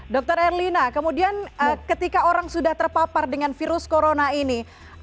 dr erlina kemudian ketika orang sudah terpapar dengan virus corona ini